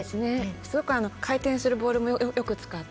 すごく回転するボールもよく使って。